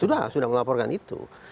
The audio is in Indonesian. sudah sudah melaporkan itu